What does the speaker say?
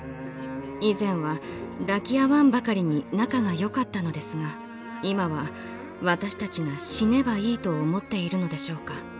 以前は抱き合わんばかりに仲がよかったのですが今は私たちが死ねばいいと思っているのでしょうか。